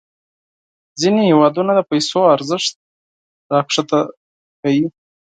ځینې هیوادونه د پیسو ارزښت راښکته کوي.